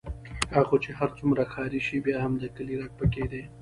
کاکا خو چې هر څومره ښاري شي، بیا هم د کلي رګ پکې دی.